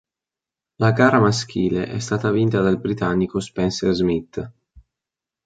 La gara maschile è stata vinta dal britannico Spencer Smith.